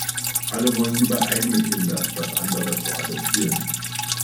Alle wollen lieber eigene Kinder, statt andere zu adoptieren.